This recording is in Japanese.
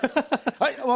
はい。